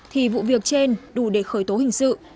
thì vụ việc trên đủ để khởi tố hình sự